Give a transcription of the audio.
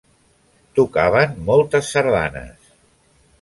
Tocaven moltes sardanes.